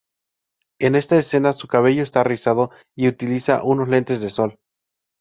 En esta escena su cabello está rizado y utiliza unos lentes de sol.